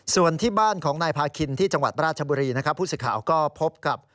ส่วนที่บ้านของนายพาคินที่จังหวัดราชบุรีนะครับผู้สื่อข่าวก็พบกับ